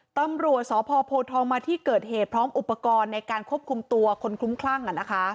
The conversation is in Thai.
ตำรวจสพโพทองมาที่เกิดเหตุพร้อมอุปกรณ์ในการควบคุมตัวคนคลุ้มคลั่ง